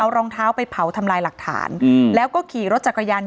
เอารองเท้าไปเผาทำลายหลักฐานแล้วก็ขี่รถจักรยาน